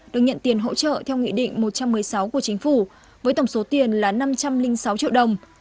được nhận tiền hỗ trợ theo nghị định một trăm một mươi sáu của chính phủ với tổng số tiền là năm trăm linh sáu triệu đồng